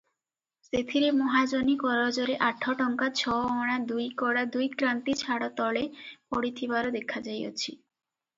ସେଥିରେ ମହାଜନୀ କରଜରେ ଆଠ ଟଙ୍କା ଛଅଅଣା ଦୁଇକଡ଼ା ଦୁଇକ୍ରାନ୍ତି ଛାଡ଼ ତଳେ ପଡ଼ିଥିବାର ଦେଖାଯାଇଅଛି ।